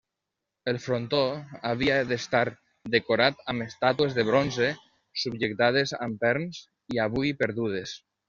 El frontó havia d'estar decorat amb estàtues de bronze, subjectades amb perns, i avui perdudes.